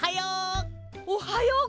おはよう！